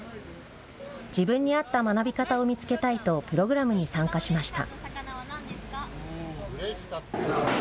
自分に合った学び方を見つけたいとプログラムに参加しました。